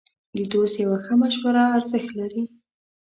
د دوست یوه ښه مشوره ارزښت لري.